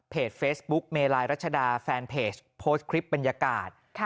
เฟซบุ๊กเมลายรัชดาแฟนเพจโพสต์คลิปบรรยากาศ